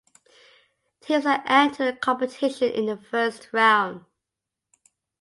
Teams that entered the competition in the first round.